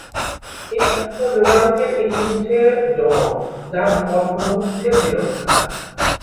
এই অষ্ট যোগাঙ্গের একটি হচ্ছে যম যার অর্থ হচ্ছে বিরত থাকা।